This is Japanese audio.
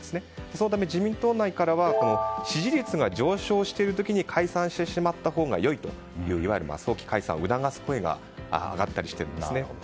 そのため自民党内からは支持率が上昇している時に解散してしまったほうが良いという早期解散を促す声が上がったりしているんですね。